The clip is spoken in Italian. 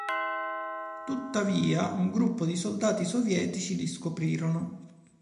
Tuttavia un gruppo di soldati sovietici li scoprirono.